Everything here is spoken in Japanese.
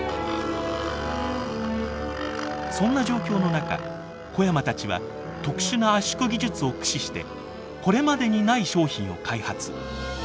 そんな状況の中小山たちは特殊な圧縮技術を駆使してこれまでにない商品を開発。